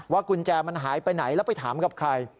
กุญแจมันหายไปไหนแล้วไปถามกับใคร